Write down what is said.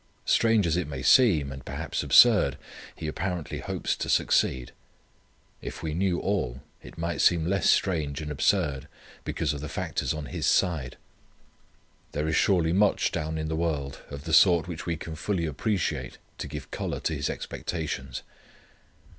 Strange as it must seem, and perhaps absurd, he apparently hopes to succeed. If we knew all, it might seem less strange and absurd, because of the factors on his side. There is surely much down in the world of the sort which we can fully appreciate to give colour to his expectations.